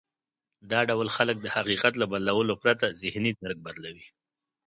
دا ډول خلک د حقيقت له بدلولو پرته ذهني درک بدلوي.